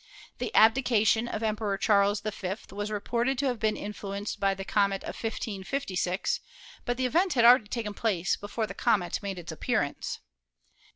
The abdication of Emperor Charles V was reported to have been influenced by the comet of 1556, but the event had already taken place before the comet made its appearance.